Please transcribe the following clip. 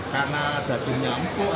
karena dagingnya empuk